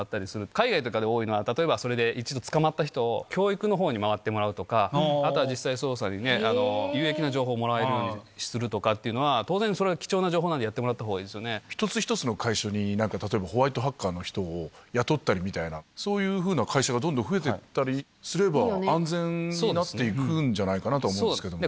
海外とかで多いのは、一度捕まった人を教育のほうに回ってもらうとか、あとは実際捜査にね、有益な情報をもらえるようにするとかっていうのは、当然、それは貴重な情報なんでやってもらったほうがいい一つ一つの会社になんか例えば、ホワイトハッカーみたいな人を雇ったりみたいな、そういう会社がどんどん増えていったりすれば、安全になっていくんじゃないかなと思うんですけどね。